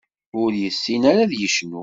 Ur yessin ad yecnu.